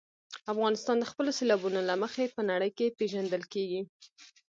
افغانستان د خپلو سیلابونو له مخې په نړۍ کې پېژندل کېږي.